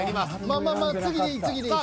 まあまあまあ次でいい次でいい。